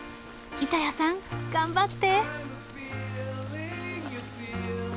板谷さん頑張って。